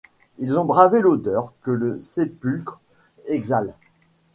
Ils ont bravé l’odeur que le sépulcre exhale ;